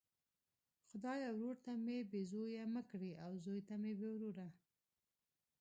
خدایه ورور ته مي بې زویه مه کړې او زوی ته بې وروره!